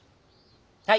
はい。